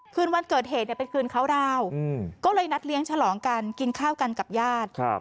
คืนวันเกิดเหตุเนี่ยเป็นคืนเขาดาวก็เลยนัดเลี้ยงฉลองกันกินข้าวกันกับญาติ